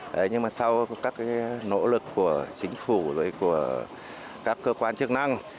đấy nhưng mà sau các nỗ lực của chính phủ rồi của các cơ quan chức năng